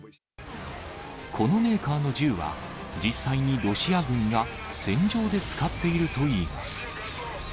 このメーカーの銃は、実際にロシア軍が戦場で使っているといいます。